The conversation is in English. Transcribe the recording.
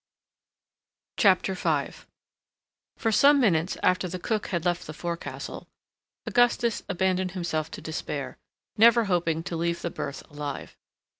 CHAPTER 5 For some minutes after the cook had left the forecastle, Augustus abandoned himself to despair, never hoping to leave the berth alive.